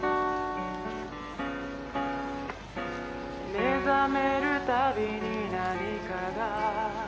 「目覚めるたびに何かが」